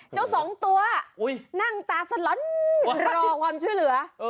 เจ้าสองตัวนั่งตาสลอนรอความช่วยเหลือ